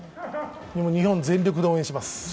日本を全力で応援します。